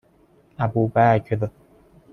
ابوبکر